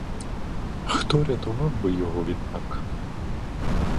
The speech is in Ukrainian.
Хто рятував би його відтак?